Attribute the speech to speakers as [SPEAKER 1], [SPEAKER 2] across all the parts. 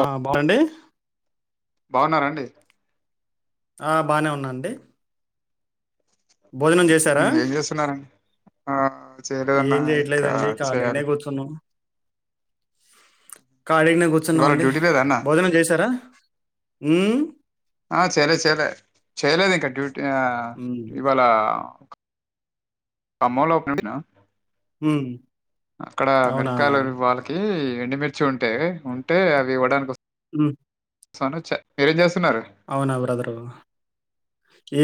[SPEAKER 1] ఆ బాండి
[SPEAKER 2] బాగున్నారాండి
[SPEAKER 1] ఆ బానే ఉన్నాండి
[SPEAKER 2] ఉ ఏం చేస్తున్నారండి ఆ చేయలేదన్నా
[SPEAKER 1] ఏం
[SPEAKER 2] ఇంకా
[SPEAKER 1] జేయట్లేదండి
[SPEAKER 2] చేయాలి
[SPEAKER 1] కాలీనే కూర్చున్నాం కాలిగనే
[SPEAKER 2] ఇవాళ
[SPEAKER 1] కూర్చున్నాంమండి
[SPEAKER 2] డ్యూటీ లేదా అన్న
[SPEAKER 1] భోజనం చేసారా ఉమ్
[SPEAKER 2] ఆ చేయలే చేయలే చేయలేదు ఇంకా డ్యూటీ ఆ
[SPEAKER 1] ఉమ్,
[SPEAKER 2] ఇవాళ ఖమ్మంలోపనా
[SPEAKER 1] ఉమ్,
[SPEAKER 2] అక్కడ
[SPEAKER 1] అవునా
[SPEAKER 2] మిరపకాయలు వాళ్ళకి ఎండుమిర్చుంటే ఉంటే అవి ఇవ్వడానికి వస్త
[SPEAKER 1] ఉమ్
[SPEAKER 2] సనుచ మీరేం జేస్తున్నారు
[SPEAKER 1] అవునా బ్రదరు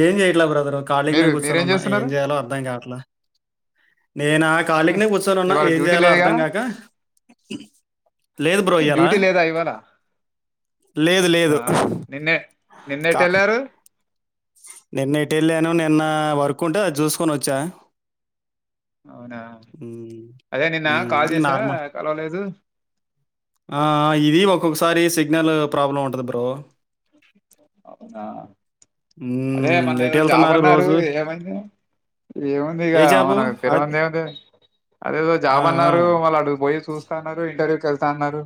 [SPEAKER 1] ఏం చేయెట్లా బ్రదరు కాళీనె
[SPEAKER 2] మీరు మీరేం
[SPEAKER 1] కూర్చొనున్నా ఏం
[SPEAKER 2] చేస్తున్నారు
[SPEAKER 1] చేయాలో అర్థం కావట్లా నేనా
[SPEAKER 2] హ,
[SPEAKER 1] కాళీకినే కూర్చొనున్న
[SPEAKER 2] ఇవాళ
[SPEAKER 1] ఏం
[SPEAKER 2] డ్యూటీ
[SPEAKER 1] చేయాలో
[SPEAKER 2] లేదుగా
[SPEAKER 1] అర్థం కాక లేదు బ్రో ఇయ్యాలా
[SPEAKER 2] డ్యూటీ లేదా ఇవాళ
[SPEAKER 1] లేదు లేదు
[SPEAKER 2] నిన్నెటెళ్ళారు
[SPEAKER 1] నిన్నెటెళ్ళాను నిన్న వర్క్ ఉంటే అది చూసుకొని వచ్చా
[SPEAKER 2] అవునా
[SPEAKER 1] ఉమ్,
[SPEAKER 2] అదే నిన్న
[SPEAKER 1] ఉమ్,
[SPEAKER 2] కాల్
[SPEAKER 1] ఇంక
[SPEAKER 2] చేసా
[SPEAKER 1] నార్మల్
[SPEAKER 2] కలవలేదు
[SPEAKER 1] ఆ ఇది ఒక్కొక్కసారి సిగ్నల్ ప్రాబ్లం ఉంటది బ్రో
[SPEAKER 2] అవునా అదే
[SPEAKER 1] హ్మ్.
[SPEAKER 2] మొన్న ఏదో జాబ్
[SPEAKER 1] ఎటెళ్తున్నారు
[SPEAKER 2] అన్నారు
[SPEAKER 1] రోజు?
[SPEAKER 2] ఏమైంది ఏముంది ఇగ
[SPEAKER 1] ఏ జాబు?
[SPEAKER 2] మనకు
[SPEAKER 1] అద్
[SPEAKER 2] తెలువందేముంది అదేదో
[SPEAKER 1] ఆ!
[SPEAKER 2] జాబ్
[SPEAKER 1] ఆ!
[SPEAKER 2] అన్నారు వాళ్ళ అడకుపోయి చూస్తాన్నారు ఇంటర్వ్యూకెళ్తాన్నారు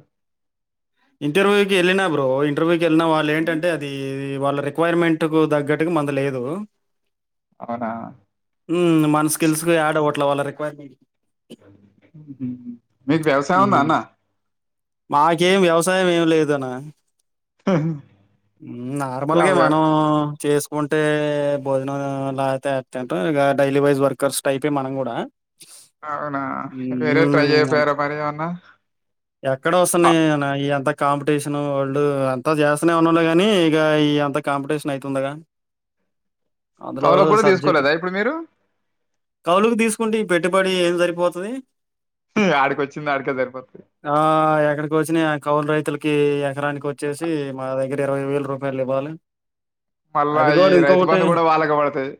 [SPEAKER 1] ఇంటర్వ్యూ కి వెళ్ళినా బ్రో ఇంటర్వ్యూ కెళ్ళినా వాల్లెంటంటే అది వాళ్ళ రిక్వైర్మెంట్ కు తగ్గట్టుగా మందు లేదు
[SPEAKER 2] అవునా
[SPEAKER 1] ఉమ్ మన స్కిల్స్ యాడ్ అవ్వట్ల వాళ్ళ రిక్వైర్
[SPEAKER 2] మ్మ్. మీకు వ్యవసాయం ఉందా
[SPEAKER 1] హ్మ్.
[SPEAKER 2] అన్న
[SPEAKER 1] మాకేం వ్యవసాయం ఏమి లేదనా
[SPEAKER 2] యా,
[SPEAKER 1] నార్మల్గా
[SPEAKER 2] వ్యా-
[SPEAKER 1] మనం చేసు ఉంటే భోజనంలా అయితేటట ఇగ డైలీ వైజ్ వర్కర్స్ టైపే మనం కూడా
[SPEAKER 2] అవునా వేరే ట్రై చేయికపోయార మరి ఏమన్నా
[SPEAKER 1] ఎక్కడ వస్తున్నాయి అనా ఎంత కాంపిటీషన్ వల్డ్ అంత చేస్తూనే ఉన్నాలే గాని ఇక ఇ అంత కాంపిటీషన్ అయితుండగా అందులో
[SPEAKER 2] కవులకు కూడా
[SPEAKER 1] సబ్జెక్ట్
[SPEAKER 2] తీసుకోలేదా ఇప్పుడు మీరు
[SPEAKER 1] కౌలుకి తీసుకుంటి పెట్టుబడి ఏం సరిపోతది
[SPEAKER 2] ఆడికొచ్చింది ఆడికే సరిపోత
[SPEAKER 1] ఎక్కడికి వచ్చనివి ఆ కౌలు రైతులకి ఎకరానికి వచ్చేసి మా దగ్గర ఇరవై వేల రూపాయలు ఇవ్వాలి.
[SPEAKER 2] మళ్ళా
[SPEAKER 1] అది
[SPEAKER 2] ఈ
[SPEAKER 1] కూడా
[SPEAKER 2] రైతు
[SPEAKER 1] ఇంకొకటి
[SPEAKER 2] బంధు కూడా వాళ్ళకె పడతది.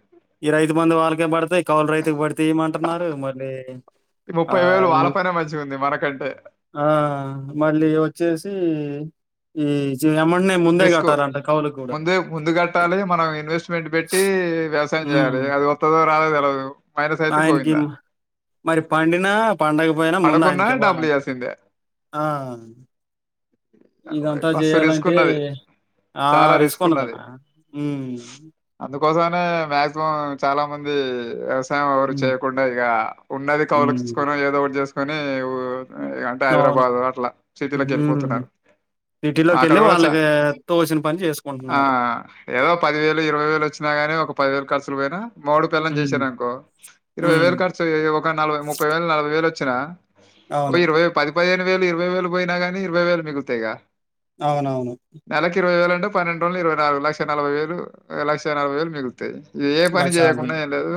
[SPEAKER 1] ఈ రైతు బంధు వాళ్ళకే పడతాయి కౌలు రైతుకి పడుతే ఈమంటున్నారు మళ్లి
[SPEAKER 2] ముప్పై వేలు వాళ్ళపనే మంచిగా ఉంది మనకంటే
[SPEAKER 1] ఆ మళ్లి వచ్చేసీ ఈ జ
[SPEAKER 2] రిస్క్ ముందే ముందు కట్టాలే మన ఇన్వెస్ట్ పెంట్ పెట్టి వ్యవసాయం చేయాలే
[SPEAKER 1] ఉమ్.
[SPEAKER 2] అది ఒత్తదో రాదో దేల్వదు.
[SPEAKER 1] ఆయనకి మరి పండినా పండగ పోయినా ముందు
[SPEAKER 2] పడకున్నా
[SPEAKER 1] ఆయనకి ఇవ్వాల
[SPEAKER 2] డబ్బులు ఇయ్యాల్సిందే
[SPEAKER 1] ఆ ఇదంతా
[SPEAKER 2] మస్తు రిస్క్
[SPEAKER 1] చేయాలంటే
[SPEAKER 2] ఉన్నది
[SPEAKER 1] ఆ
[SPEAKER 2] చాలా రిస్క్
[SPEAKER 1] రిస్కుండదన్న ఉమ్
[SPEAKER 2] కోసానే మాక్సిమం చాలా మంది ఎస్ ఎవ్వరు
[SPEAKER 1] హ్మ్.
[SPEAKER 2] చేయకుండా ఇగ ఉన్నది
[SPEAKER 1] హ్మ్.
[SPEAKER 2] కౌలుకిచ్చుకొని ఏదో ఒకటి చేసుకొనీ ఊ అంటే
[SPEAKER 1] అవును.
[SPEAKER 2] హైదరాబాద్ అట్లా సిటీలకి
[SPEAKER 1] హ్మ్.
[SPEAKER 2] వెళ్ళిపోతున్నారు. అక్కడ
[SPEAKER 1] సిటీలోకెళ్ళి
[SPEAKER 2] కూడా చ
[SPEAKER 1] వాళ్ళకి తోచిన పని
[SPEAKER 2] ఆ
[SPEAKER 1] చేసుకుంటున్నారు.
[SPEAKER 2] ఏదో పది వేలు ఇరవై వేలు వచ్చిన గాని ఒక పదివేల్ ఖర్చ్ న మూడు పెళ్ళాం
[SPEAKER 1] హ్మ్.
[SPEAKER 2] చేసారనుకో ఇరవై
[SPEAKER 1] హ్మ్.
[SPEAKER 2] వేలు ఖర్చు ఒక నలభై ముప్పై వేలు నలభై వేలు వచ్ వచ్చిన ఓ
[SPEAKER 1] అవును.
[SPEAKER 2] ఇరవై పది పదిహేను వేలు ఇరవై వేలు పోయినా గాని ఇరవై వేలు మిగులుతాయిగ
[SPEAKER 1] అవునవును
[SPEAKER 2] పన్నెండు రోజుల ఇరవై నాలుగు లక్ష నలభై వేలు లక్ష నలభై వేలు మిగుల్ ఏ పని
[SPEAKER 1] లక్షణాలు.
[SPEAKER 2] చేయకుండా ఏం లేదు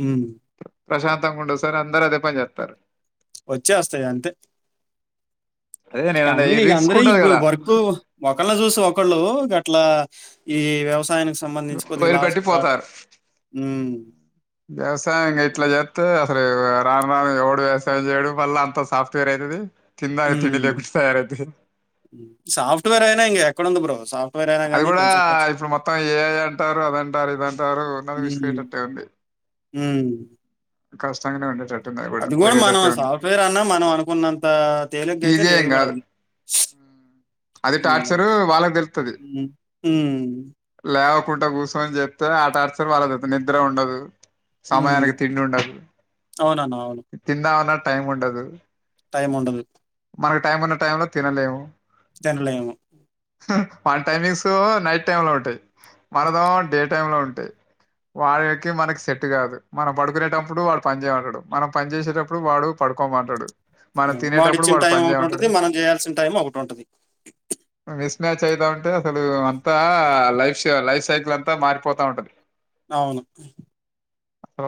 [SPEAKER 1] హ్మ్.
[SPEAKER 2] ప్రశాంతంగుండు ఒసారి అందరు అదే పని జెత్తర్
[SPEAKER 1] వచ్చే వస్తాయి అంతే
[SPEAKER 2] అదే నేను
[SPEAKER 1] కమడి
[SPEAKER 2] ఈ
[SPEAKER 1] ఇక
[SPEAKER 2] రిస్క్
[SPEAKER 1] అందరే ఇ
[SPEAKER 2] ఉండదు కదా
[SPEAKER 1] వర్క్ ఒకళ చూసి ఒ ళ్ళు గట్లా ఈ వ్యవసాయాని
[SPEAKER 2] వైరు పెట్టి పోతారు
[SPEAKER 1] హ్మ్.
[SPEAKER 2] వ్యవసాయం గిట్లా జెస్తే రాను రాను ఎవడు వ్యవసాయం చేయడు మళ్ళా అంత సాఫ్ట్వేర్ అయితది
[SPEAKER 1] ఉమ్ సాఫ్ట్వేర్ అయినా ఇంగ ఎక్కడుంది బ్రో సాఫ్ట్
[SPEAKER 2] అది గుడా ఇప్పుడు మొత్తం ఏఐ అంటారు. అదంటారు ఇదంటారు ఉన్నది విసిపెట్టతయాంది.
[SPEAKER 1] ఉమ్
[SPEAKER 2] కష్టంగానే ఉంటద్ జ
[SPEAKER 1] అది గూడా మనం సాఫ్ట్వేర్ అన్నా మనం అనుకున్నంత తేలిగ్గ అయితే
[SPEAKER 2] ఈజీ ఏం
[SPEAKER 1] లేదు గూడా
[SPEAKER 2] కాదు
[SPEAKER 1] అది
[SPEAKER 2] అది
[SPEAKER 1] హ్మ్.
[SPEAKER 2] టార్చరు
[SPEAKER 1] అవును.
[SPEAKER 2] వాళ్ళకు తెలుత్తది.
[SPEAKER 1] హ్మ్. హ్మ్.
[SPEAKER 2] లే కుంట కూసోని చెప్తే ఆ టార్చర్ వాళ్ళద నిద్ర ఉండదు.
[SPEAKER 1] హ్మ్.
[SPEAKER 2] సమయానికి తిండి ఉండదు.
[SPEAKER 1] అవునన్నా. అవును.
[SPEAKER 2] తిందామన్నా టైం ఉండదు.
[SPEAKER 1] టైమ్ ఉండదు
[SPEAKER 2] మనకి టైం ఉన్న టైంలో తినలేము.
[SPEAKER 1] తినలేము
[SPEAKER 2] మన టైమింగ్స్ నైట్ టైమ్ లో ఉంటది. మనదో డే టైమ్ లో ఉంట వాడికి మనకి సెట్ కాదు. మనం పడుకునేటప్పుడు వాడు పని చేయమంటడు. మనం పని చేసేటప్పుడు వాడు ప పడుకోమంటాడు మన తినేటప్పు
[SPEAKER 1] ఒచ్చిన టైం ఒకటి ఉంటది. మనం చేయాల్సిన టైం ఒకటి ఉంటది.
[SPEAKER 2] మిస్ మ్యాచ్ అయితా ఉంటే అసలు అంతా లైఫ్ష్ లైఫ్ సైకిల్ అంతా మారిపోతా ఉంటది.
[SPEAKER 1] అవును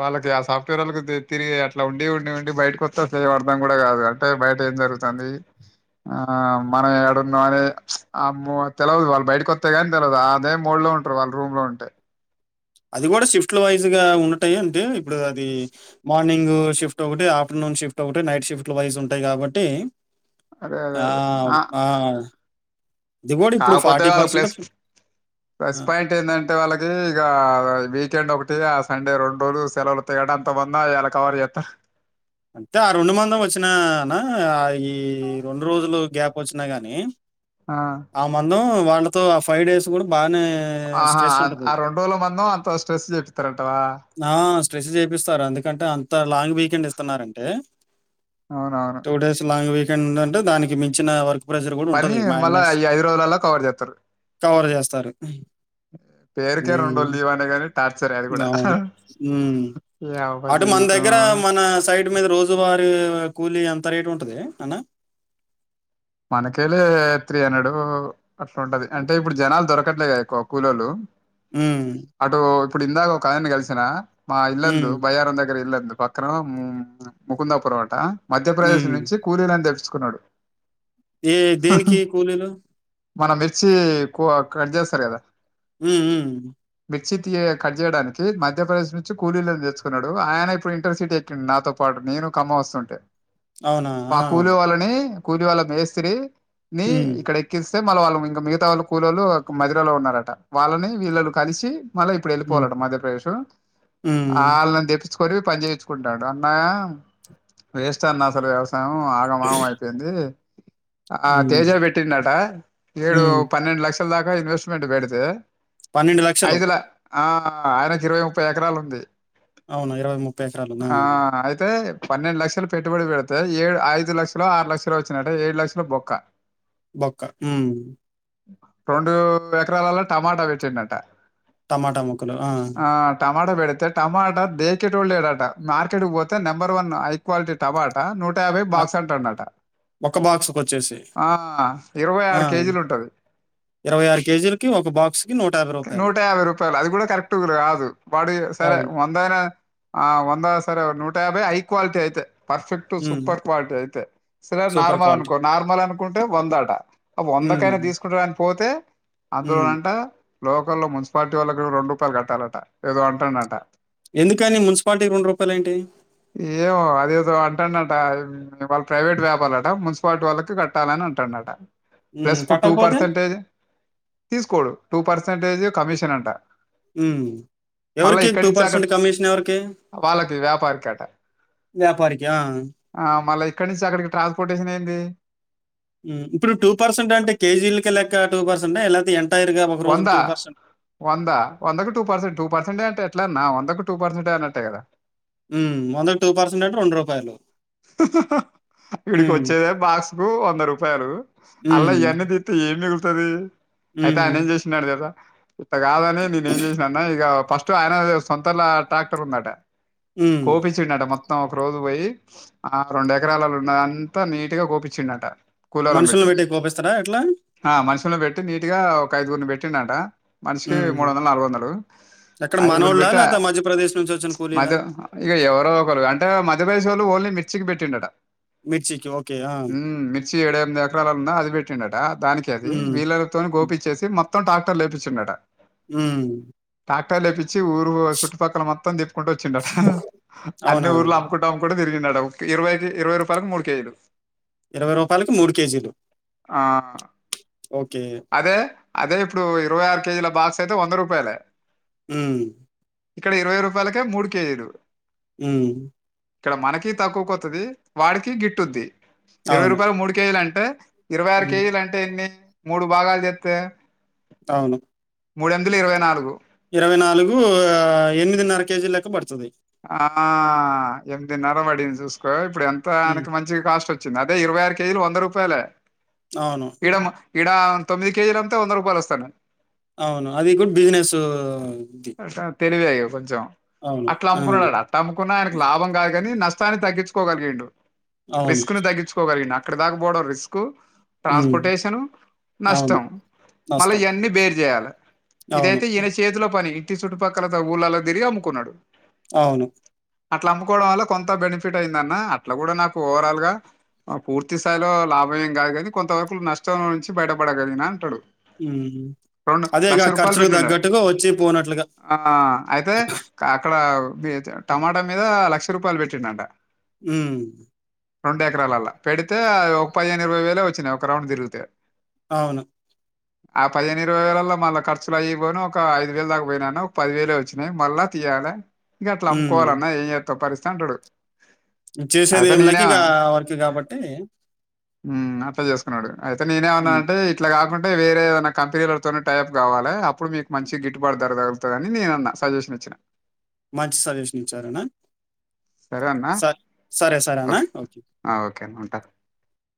[SPEAKER 2] వాళ్ళకి ఆ సాఫ్ట్వేరల్లో తిరిగి అట్లా ఉండి ఉండి ఉండి బయటకొత్తే అర్థం కూడా కాదు అంటే బయ ఏం జరుగుతంది ఆ మనం ఎడున్నామని చ్ ఆమో తెలవదు వాళ్ళు బయటికోత్తే గాని తెలవదు అదే మూడ్ లో ఉంటారు వాళ్ళు రూంలో ఉంటే
[SPEAKER 1] అది గూడా షిఫ్ట్లో వైజ్ గా ఉన్నటాయి అంటే ఇప్పుడు అది మార్నింగ్ గ్ షిఫ్ట్ ఒకటి ఆఫ్టేర్నూన్ షిఫ్ట్ ఒకటి నైట్ షిఫ్ట్ల వైస్ ఉంటాయి కాబట్టి
[SPEAKER 2] అదే అదే
[SPEAKER 1] ఆ
[SPEAKER 2] అదే
[SPEAKER 1] ఆ అది గూడా ఇప్పుడు
[SPEAKER 2] కాకపోతే వాళ్ళ ప్లస్ ప్లస్
[SPEAKER 1] ఆ!
[SPEAKER 2] పాయింట్ ఎందంటే వాళ్ళకి ఇగ వీకెండ్ ఒకటి అతే ఆ సండే రెండు రోజులు సెలవులు వతయి కాబట్ అంత మంది అగల కవర్ చేత్త
[SPEAKER 1] అంత ఆ రెండు మందం వచ్చినా నా ఈ రెండు రోజులు గ్యాప్ ఓచ్చినా గని ఆ మందం వాళ్ళతో ఆ ఫైవ్ డేస్ కూడా బానే
[SPEAKER 2] ఆహా
[SPEAKER 1] స్ట్రెస్ ఉంటది.
[SPEAKER 2] ఆ రెండు రోజుల మంద అంత స్ట్రెస్ చెపిస్తారంటావా
[SPEAKER 1] ఆ స్ట్రెస్ చేపిస్తారు ఎందుకంటే అంత లాంగ్ వీకెండ్ ఇస్ తునారంటే
[SPEAKER 2] అవునవును
[SPEAKER 1] టూ డేస్ లాంగ్ వికెండ్ ఉనంటే దానికి మించిన వర్క్ ప్రెషర్ కూడా
[SPEAKER 2] పని
[SPEAKER 1] ఉంటది మాె
[SPEAKER 2] మళ్ళా
[SPEAKER 1] నెస్
[SPEAKER 2] ఈ ఐదు రోజులలో కవర్ చేస్తారు
[SPEAKER 1] [unintelligible] కవర్ చేస్తారు
[SPEAKER 2] పేరుకే రెండు రోజులు
[SPEAKER 1] మ్
[SPEAKER 2] లీవ్ అనే గాని టార్చర్ అది కూడా
[SPEAKER 1] అవును మ్
[SPEAKER 2] యవ్వ
[SPEAKER 1] అటు మన్
[SPEAKER 2] జీవితం
[SPEAKER 1] దగ్గర మన సైడ్ మీద రోజువారి కూలి ఎంత రేటు ఉంటది అన్న
[SPEAKER 2] మనకేలే త్రీ హండ్రెడ్ అట్లా ఉంటది అంటే ఇప్పుడు జనాలు దొరకట్లేగా ఎక్కువ కూలోళ్ళు
[SPEAKER 1] మ్
[SPEAKER 2] అటు ఇప్పుడు ఇందాక ఒకయన్ని కలిసిన మా ఇల్లందు
[SPEAKER 1] హ్మ్.
[SPEAKER 2] బయ్యారం దగ్గర ఇల్లందు అ పక్కన ముకుందాపురం అట మధ్యప్రదేశ్
[SPEAKER 1] హ్మ్.
[SPEAKER 2] నుంచి కూలీలను తెచ్ కున్నాడు
[SPEAKER 1] ఏ దేనికి కూలీలు
[SPEAKER 2] మనం మిర్చి కో కట్ చేస్తారు కదా
[SPEAKER 1] మ్ మ్
[SPEAKER 2] మిర్చి తి కట్ చేయడానికి మధ్యప్రదేశ్ నుంచి కూలీలని తెచ్చుకున్నాడు ఆయన ఇప్పుడు ఇంటర్ సిటీ ఎక్కిడు నాతో పాట్ నేను ఖమ్మం ఓస్తుంటే
[SPEAKER 1] అవునా!
[SPEAKER 2] మా
[SPEAKER 1] ఆ!
[SPEAKER 2] కూలీ వాళ్ళని కూలివాళ్ళ మేస్త్రి ని
[SPEAKER 1] హ్మ్.
[SPEAKER 2] ఇక్కడ ఎక్కిస్ అే మళ్ళ వాళ్ళు ఇంగ మిగతా వాళ్ళు కులోళ్ళు మదిరలో ఉన్నారట వాళ్ళని వీళ్ళని కలిసి మళ్ళా ఇప్పుడు
[SPEAKER 1] హ్మ్.
[SPEAKER 2] ఎళ్ళిపోవాలట మధ్యప్రదేశ్
[SPEAKER 1] హ్మ్.
[SPEAKER 2] ఆళ్ళని తెప్ చ్చుకొని పని చేయించుకుంటాడు అన్నా వేస్ట్ అన్నా అసలు వ్యవస్ యం ఆగం ఆగం అయిపోయింది ఆ
[SPEAKER 1] హ్మ్.
[SPEAKER 2] తేజ పెట్టిండు అట ఏడు
[SPEAKER 1] హ్మ్.
[SPEAKER 2] పన్నెండు లక్షల దాకా ఇన్వెస్ట్మెంట్ పెడితే
[SPEAKER 1] పన్నెండు లక్షలు
[SPEAKER 2] ఐదుల ఆ ఆయనకి ఇరవై ముప్పై ఎకరాలు ఉంది
[SPEAKER 1] అవును.
[SPEAKER 2] ఆ అయితే పన్నెండు లక్షలు పెట్టుబడి పెడుతే ఏడు ఐదు లక్షలో ఆరు లక్షలో వచ్చినయట్ట ఏడు లక్షలు బొక్క
[SPEAKER 1] బొక్క మ్
[SPEAKER 2] రెండు ఎకరాలల్ల టమాటా పెట్టిండు అట
[SPEAKER 1] టమాటా మొక్కలు ఆ
[SPEAKER 2] మాటా పెడితే టమాటా దేకెటోడ్ లేడు ఆట మార్కెట్ పోతే నెంబర్ వన్ హై క్వాలిటీ టమాటా ను టయాభై
[SPEAKER 1] ఆహ్,
[SPEAKER 2] బాక్స్ అంటండటా
[SPEAKER 1] ఒక బాక్స్‌కొచ్చేసి.
[SPEAKER 2] ఆ ఇరవై
[SPEAKER 1] ఆ!
[SPEAKER 2] ఆరు కేజీలు ఉంటది
[SPEAKER 1] కేజీలకి ఒక బాక్స్‌కి రూ.
[SPEAKER 2] నూట యాభై రూపాయలు అది కూడా కరెక్ట్గా రాదు వాడు సరే
[SPEAKER 1] అవును.
[SPEAKER 2] వంద ఐన ఆ వంద సరే నూట యాభై హై క్వాలిటీ అయితే పర్ఫెక్ట్
[SPEAKER 1] హ్మ్.
[SPEAKER 2] సూపర్ క్విటీ అయితే సరే
[SPEAKER 1] సూపర్
[SPEAKER 2] నార్మల్ అనూక్
[SPEAKER 1] క్వాలిటీ.
[SPEAKER 2] కో నార్మల్ అనుకుంటే వందట
[SPEAKER 1] హ్మ్.
[SPEAKER 2] వందకైనా తీసుకుంటడు అని పోతే
[SPEAKER 1] హ్మ్.
[SPEAKER 2] అందులోనంట లోకల్లో మున్సిపాలిటీ ఓళ్లక్ ఒ రెండు రూపాయలు కట్టాలట ఏదో అంటాండట
[SPEAKER 1] ఎందుకని మున్సిపాలిటీకి రూ. ఏంటి?
[SPEAKER 2] ఏమో అదేదో అంటాండట వాళ్ళు ప్రైవేట్ వ్యాపారులట మున్సిపాలిటీ వాళ్ళకి కట్టాలని అంటాండట
[SPEAKER 1] హ్మ్.
[SPEAKER 2] ప్లస్ ఇప్పుడు టూ
[SPEAKER 1] కట్టకపోతే?
[SPEAKER 2] పర్సంటేజి తీసుకోడు టూ పర్సంటేజి కమిషన్ అంట
[SPEAKER 1] మ్
[SPEAKER 2] మళ్ళీ
[SPEAKER 1] ఎవరికి
[SPEAKER 2] ఇక్కడి
[SPEAKER 1] టూ
[SPEAKER 2] నుంచి అక్కడ
[SPEAKER 1] పర్సెంట్ కమిషన్ ఎవరికి
[SPEAKER 2] వాళ్ళకి వ్యాపారికి అట
[SPEAKER 1] వ్యాపారికా
[SPEAKER 2] ఇక్కడ్ నుంచి అక్కడికి ట్రాన్స్పోర్టేషన్ ఏంది?
[SPEAKER 1] మ్ ఇప్పుడు టూ పర్సెంట్ అంటే కేజీలక లెక్క టూ పర్సెంట్ ఎలా తీయన్
[SPEAKER 2] వందా వందా వందకు టూ పర్సెంట్ టూ పర్సెంటే అంటే ఎట్లన్న వందకు టూ పర్సంటైనట్టే కదా
[SPEAKER 1] మ్ వందకి టూ పర్సెంటంటే రెండు రూపాయలు
[SPEAKER 2] వీడికొచ్చేదే బాక్స్కు వంద రూపాయలు అల్ల
[SPEAKER 1] హ్మ్.
[SPEAKER 2] ఇయన్నీ తిత్తే ఏం మిగు తది అయితే
[SPEAKER 1] హ్మ్.
[SPEAKER 2] ఆయనేమ్ చేసినాడు కదా అట్ట కాదనే నేనేం చేసినన్న ఇగ ఫస్ట్ ఆయన సంతోల్ల ట్రాక్టర్ ఉందట.
[SPEAKER 1] హ్మ్.
[SPEAKER 2] కోపిచ్చిండట మొత్తం ఒక రోజు పోయి ఆ రొండ్ ఎకరాలల్ ఉన్న అంత నీటిగా కోపిచ్చిండంట. కూలోలన్
[SPEAKER 1] మనుషుల్ని
[SPEAKER 2] పెట్టి
[SPEAKER 1] కోపిస్తారా ఎట్లా?
[SPEAKER 2] ఆ మనుషులు పెట్టి నీటిగా ఒక ఐదుగురుని పెట్టిండంట మనిషికీ
[SPEAKER 1] హ్మ్.
[SPEAKER 2] మూడ్ వందల్ నాలుగు వందలు
[SPEAKER 1] ఎక్కడ
[SPEAKER 2] ఐదుగురిని
[SPEAKER 1] మనోళ్ళా?
[SPEAKER 2] పెట్టా
[SPEAKER 1] లేకపోతే మధ్యప్రదేశ్ నుంచి వచ్చిన కూలీలా?
[SPEAKER 2] మధు ఇగ ఎవరో ఒకరు అంటే మధు వయసోళ్ళు ఓన్లీ మిర్చికి పెట్టిండట
[SPEAKER 1] కీ ఓకేయా
[SPEAKER 2] ఉమ్ మిర్చి ఏడెనిమిది ఎకరాల్ ఉన్న అది పెట్టిండట దానికే అది
[SPEAKER 1] హ్మ్.
[SPEAKER 2] వీళ్లతోని కోపిచ్చేసి మొత్తం ట్రాక్టర్లేపిచ్చిండట.
[SPEAKER 1] మ్
[SPEAKER 2] టాక్టర్లేపిచ్చి ఊరూ చుట్టుపక్కల మొత్తం తిప్పుకుంట వచ్చిండట అన్ని
[SPEAKER 1] అవునా?
[SPEAKER 2] ఊర్లు అమ్ముకుంటా తిరిగిండట ఓకే ఇరవైకి ఇరవై రూపాయలకు మూడు కేజీలు
[SPEAKER 1] ఇరవై రూపాయలకి మూడు కేజీలు
[SPEAKER 2] ఆ!
[SPEAKER 1] ఓకే.
[SPEAKER 2] అదే అదే ఇప్పుడు ఇరవై ఆరు కేజీల బాక్స్ అయితే వంద రూపాయలే
[SPEAKER 1] మ్
[SPEAKER 2] ఇక్కడ ఇరవై రూపాయలకే మూడు కేజీలు
[SPEAKER 1] మ్
[SPEAKER 2] ఇక్కడ మనకి తక్కో కొత్తది వాడికి గిట్టుద్ది ఇరవై
[SPEAKER 1] అవును.
[SPEAKER 2] రూపాయల మూడు కేజీలంటే ఇరవై ఆరు
[SPEAKER 1] హ్మ్.
[SPEAKER 2] కేజీలంటే ఎన్ని మూడు భాగాల్ చేత్తే
[SPEAKER 1] అవును
[SPEAKER 2] మూడ్ ఎందుల్ ఇరవై నాలుగు
[SPEAKER 1] ఇరవై నాలుగూ ఆ ఎనిమిదిన్నర కేజీలెక్క పడుతది.
[SPEAKER 2] ఆ.... ఎమిదిన్నర ప చూస్కో ఇప్పుడు ఎంత
[SPEAKER 1] హ్మ్.
[SPEAKER 2] ఆయనకి మంచిగ కాస్ట్ వచ్చింది అదే ఇరవై ఆరు కేజీలు వంద రూపాయలే
[SPEAKER 1] అవును.
[SPEAKER 2] ఆ తొమ్మిద్ కేజీల్ లమ్మితే వంద రూపాయలు వస్తన
[SPEAKER 1] అవును. అది కూడా బిజినెసు ఇది.
[SPEAKER 2] తెలివేయ కొంచం
[SPEAKER 1] అవును.
[SPEAKER 2] అట్లా
[SPEAKER 1] ఆ!
[SPEAKER 2] అమ్ముకున్నాడా అట్ట అమ్ముకున్న ఆయనకు లాభం కాదుగని నష్ ష్టాన్ని తగ్గిచ్కోగలిగిండు
[SPEAKER 1] అవును.
[SPEAKER 2] రిస్క్ని తగ్గించుకోగలిగిండ్ అక్కడిదాక పోవడం రిస్కు
[SPEAKER 1] హ్మ్.
[SPEAKER 2] ట్రాన్స్పోర్టేషను
[SPEAKER 1] అవును.
[SPEAKER 2] నష్టం మళ్ళీ
[SPEAKER 1] నష్టం.
[SPEAKER 2] ఇయన్నీ బేర్ చేయాలె
[SPEAKER 1] అవును.
[SPEAKER 2] ఇదైతే ఈయన చేతిలో పని ఇట్టి చుట్టుపక్కల ఊర్లల్ల తిరిగి అమ్ముకున్నడు.
[SPEAKER 1] అవును.
[SPEAKER 2] అట్ల అమ్ముకోవడం వల్ల కొంత బెనిఫిట్ అయిందన్న అట్ల కూడా నాకు ఓవరాల్గ ఆ పూర్తి స్థాయిలో లాభం ఏం కాదు గని కొంత వరకు నష్టం నుంచి బయటపడగలిగిన అంటడు.
[SPEAKER 1] మ్ హ్
[SPEAKER 2] రొండు లక్ష రూపాల్ పెట్టిండ
[SPEAKER 1] పోనట్లుగా.
[SPEAKER 2] ఆ అయితే అక్కడా మేచ టమాటా మీద లక్ష రూపాయల్ పెట్టిండంట
[SPEAKER 1] మ్
[SPEAKER 2] రొండెకరాలల్ల పెడ్తే ఒక పదిహేన్ ఇరవై వేలే వచ్చినయి ఒక రౌండ్ తిరుగుతే
[SPEAKER 1] అవును.
[SPEAKER 2] ఆ పదిహేను ఇరవై వేలల్లో మళ్ళ ఖర్చులు అయ్యిపోను ఒక ఐదు వేలు దాకపోయన్న ఒక పదివేలే వచ్చినాయి మళ్ళా తీయాల ఇగట్లా
[SPEAKER 1] హ్మ్.
[SPEAKER 2] అమ్ముకోవాలన్నా ఏం చేత్తమ్ పరిస్థితంటడు
[SPEAKER 1] చేసేదెం లేక ఇగ వర్క్ కాబట్టి
[SPEAKER 2] మ్ అట్ల చేసుకున్నాడు అయితే నేనే మన్నా
[SPEAKER 1] హ్మ్.
[SPEAKER 2] ఆన్ ఇట్ల కాకుంటే వేరే ఏదన్న కంపెనీలతోనే టైయప్ కావాలె అప్పుడ్ మీక్ మంచి గిట్టుబాట్ ధర దొరుకుతదని నేనన్న సంజేషన్ ఇచ్చిన
[SPEAKER 1] మంచి సజెషన్ ఇచ్చారన్నా
[SPEAKER 2] సరే అన్నా.
[SPEAKER 1] స సరే సరే అన్నా ఓకే.
[SPEAKER 2] ఆ! ఓకే అన్న ఉంటా.